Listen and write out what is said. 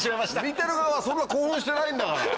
見てる側はそんな興奮してないんだから！